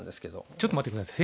ちょっと待って下さい。